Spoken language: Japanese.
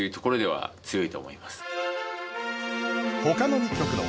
はい。